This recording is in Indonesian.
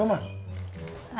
garu garu siapa mak